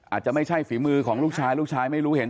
อาจจะไม่ใช่ฝีมือของลูกชายลูกชายไม่รู้เห็น